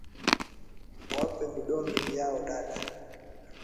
Wape vidonge vyao dada.